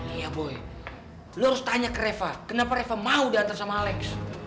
iya boy lo harus tanya ke reva kenapa reva mau diantar sama alex